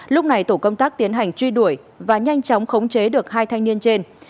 lúc này tổ công tác tiến hành truy đuổi và nhanh chóng khống chế được hai thanh niên trên